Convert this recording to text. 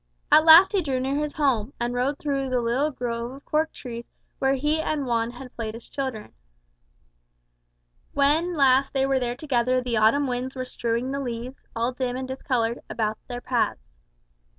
At last he drew near his home, and rode through the little grove of cork trees where he and Juan had played as children. When last they were there together the autumn winds were strewing the leaves, all dim and discoloured, about their paths.